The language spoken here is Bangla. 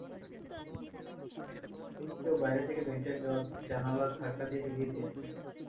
কেউ বাইরে থেকে ভেন্টের জানালা ধাক্কা দিয়ে হেলিয়ে দিয়েছে!